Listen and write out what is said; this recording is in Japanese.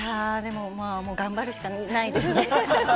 でも、まあ、もう頑張るしかないですね。